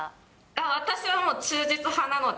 私はもう、忠実派なので。